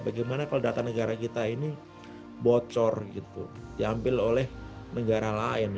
bagaimana kalau data negara kita ini bocor gitu diambil oleh negara lain